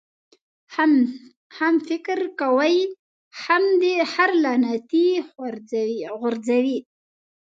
هم فقر کوې ، هم دي خر لغتي غورځوي.